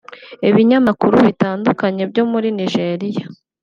Ibinyamakuru bitandukanye byo muri Nigeria